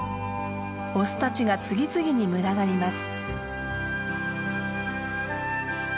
オスたちが次々に群がります。